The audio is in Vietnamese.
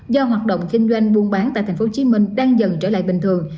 do hoạt động kinh doanh buôn bán tại tp hcm đang dần trở lại bình thường